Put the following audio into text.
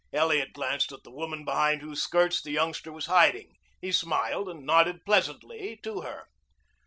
Elliot glanced at the woman behind whose skirts the youngster was hiding. He smiled and nodded pleasantly to her.